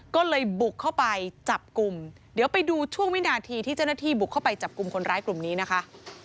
ก็เลยบุกเข้าไปจับกลุ่มเดี๋ยวไปดูช่วงวินาทีที่เจ้าหน้าที่บุกเข้าไปจับกลุ่มคนร้ายกลุ่มนี้นะคะ